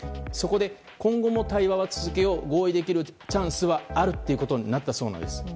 そこで、今後も対話は続けよう合意できるチャンスはあるということになったそうです。